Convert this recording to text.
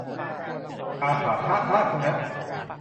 กะขะคะฆะงะ